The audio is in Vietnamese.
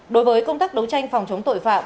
đối với công tác đấu tranh phòng chống tội phạm